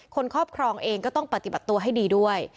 ครอบครองเองก็ต้องปฏิบัติตัวให้ดีด้วย